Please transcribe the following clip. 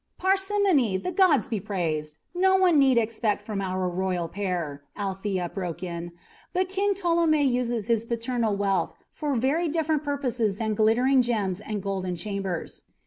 "Parsimony the gods be praised! no one need expect from our royal pair," Althea broke in; "but King Ptolemy uses his paternal wealth for very different purposes than glittering gems and golden chambers.